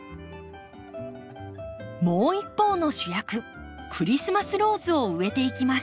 もう一方の主役クリスマスローズを植えていきます。